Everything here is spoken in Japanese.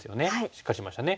しっかりしましたね。